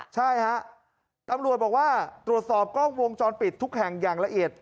ใช่ครับกำลัวบอกว่าตรวจสอบกล้องกรงจอลปิดทุกแห่งอย่างละเอียด